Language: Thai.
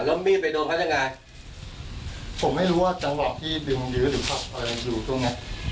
แล้วมีดไปโดนเขายังไงผมไม่รู้ว่าจังหวะที่ดึงยื้อหรือขับอะไรอยู่ช่วงเนี้ย